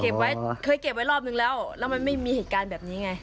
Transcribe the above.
เคยเก็บไว้รอบนึงแล้วแล้วมันไม่มีเหตุการณ์แบบนี้ไง